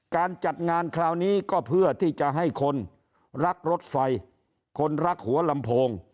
การจัดงานคราวนี้ก็เพื่อที่จะให้คนรักรถไฟคนรักหัวลำโพง